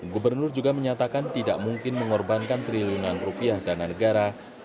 gubernur juga menyatakan tidak mungkin mengorbankan triliunan rupiah dana negara